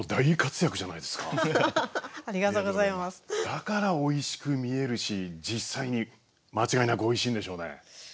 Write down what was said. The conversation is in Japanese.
だからおいしく見えるし実際に間違いなくおいしいんでしょうね。